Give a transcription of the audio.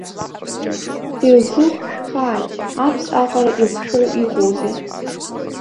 Илзыхәшәхааит, абз аҟара ихәшәу иҟоузеи!